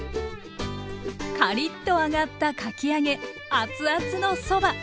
カリッと揚がったかき揚げ熱々のそば。